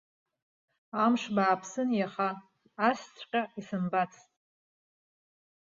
Амш бааԥсын иаха, асҵәҟьа исымбац.